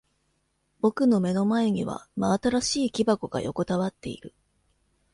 僕の目の前には真新しい木箱が横たわっている。